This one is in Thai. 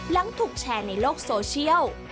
หลังถูกแชร์ในโลกโซเชียล